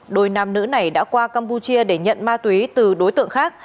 đôi nam nữ này đã qua campuchia để nhận ma túy từ đối tượng khác